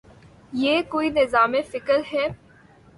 یہ کوئی نظام فکر ہے۔